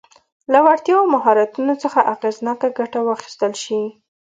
له وړتیاوو او مهارتونو څخه اغېزناکه ګټه واخیستل شي.